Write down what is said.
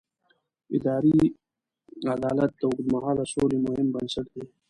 اداري عدالت د اوږدمهاله سولې مهم بنسټ دی